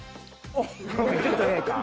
「おいちょっとええか？」。